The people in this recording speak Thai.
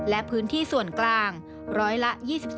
และพื้นที่ส่วนกลางร้อยละ๒๒